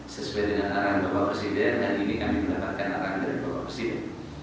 sesuai dengan arahan bapak presiden dan ini kami mendapatkan arahan dari bapak presiden